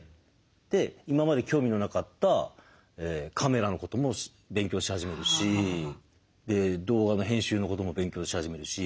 で今まで興味のなかったカメラのことも勉強し始めるし動画の編集のことも勉強し始めるし。